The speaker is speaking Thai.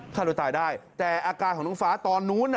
ฆ่าตัวตายได้แต่อาการของน้องฟ้าตอนนู้น